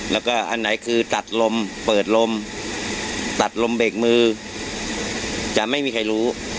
แล้วก็อันไหนคือตัดลมเปิดลมตัดลมเบรกมือจะไม่มีใครรู้